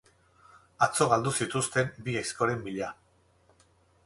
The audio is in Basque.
Atzo galdu zituzten bi aizkoren bila.